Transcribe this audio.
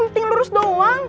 mesti lurus doang